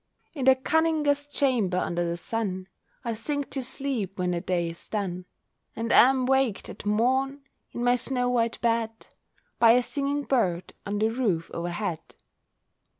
In the cunningest chamber under the sun I sink to sleep when the day is done; And am waked at morn, in my snow white bed, By a singing bird on the roof o'erhead.